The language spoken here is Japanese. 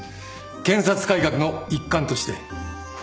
検察改革の一環として。